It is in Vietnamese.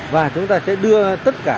và chúng ta sẽ đưa tất cả